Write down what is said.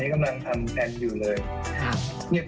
อุ้ยยยยยยยยยยยยยยยยยยยอยากหรือ